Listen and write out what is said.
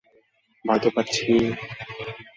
ভয় তো পাচ্ছিই।